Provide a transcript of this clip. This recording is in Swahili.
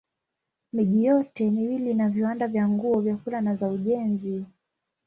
Miji yote miwili ina viwanda vya nguo, vyakula na za ujenzi.